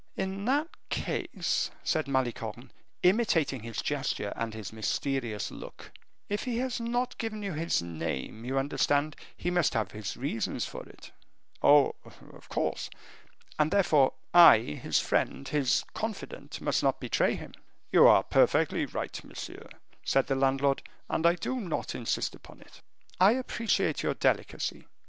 "In that case," said Malicorne, imitating his gesture and his mysterious look, "if he has not given you his name, you understand, he must have his reasons for it." "Oh, of course." "And, therefore, I, his friend, his confidant, must not betray him." "You are perfectly right, monsieur," said the landlord, "and I do not insist upon it." "I appreciate your delicacy.